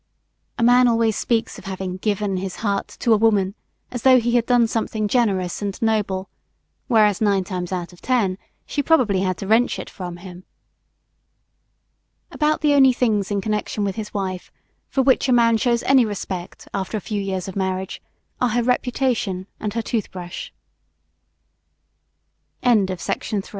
A man always speaks of having "given" his heart to a woman as though he had done something generous and noble; whereas, nine times out of ten, she probably had to wrench it from him. About the only things in connection with his wife for which a man shows any respect after a few years of marriage are her reputation and her toothbrush. BLOND